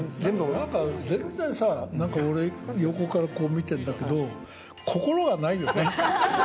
なんか、全然さ、なんか俺、横からこう見てるんだけど、心がないよね。